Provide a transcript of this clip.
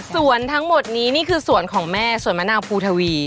ส่วนทั้งหมดนี้นี่คือสวนของแม่สวนมะนาวภูทวี